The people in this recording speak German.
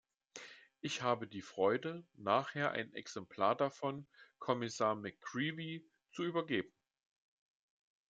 Ich habe die Freude, nachher ein Exemplar davon Kommissar McCreevy zu übergeben.